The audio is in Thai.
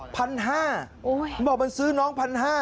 บอกมันซื้อน้อง๑๕๐๐